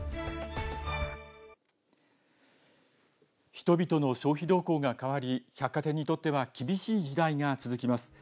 人々の消費動向が変わり百貨店にとっては厳しい時代が続きます。